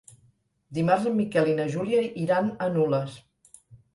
Dimarts en Miquel i na Júlia iran a Nules.